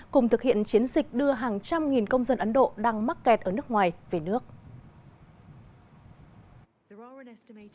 cùng thực hiện chiến dịch đưa hàng trăm nghìn công dân ấn độ đang mắc kẹt ở nước ngoài về nước